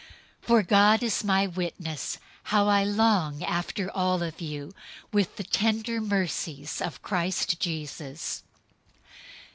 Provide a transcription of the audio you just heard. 001:008 For God is my witness, how I long after all of you in the tender mercies of Christ Jesus.